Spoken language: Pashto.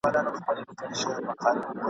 تور او سور زرغون ویاړلی بیرغ غواړم ..